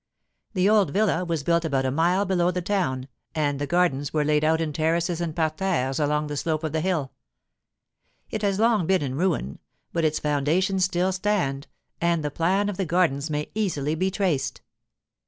The old villa was built about a mile below the town, and the gardens were laid out in terraces and parterres along the slope of the hill. It has long been in ruin, but its foundations still stand, and the plan of the gardens may easily be traced.